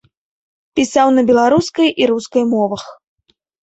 Пісаў на беларускай і рускай мовах.